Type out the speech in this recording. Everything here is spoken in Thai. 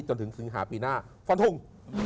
จนถึงสิงหาปีหน้าฟันทง